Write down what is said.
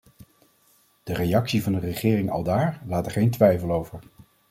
De reactie van de regering aldaar laat er geen twijfel over.